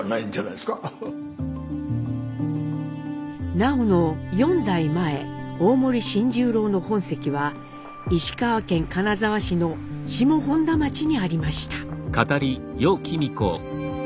南朋の４代前大森信十郎の本籍は石川県金沢市の下本多町にありました。